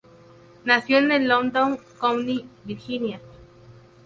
Nació el en Loudoun County, Virginia.